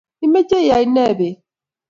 imeche iyay ne beet?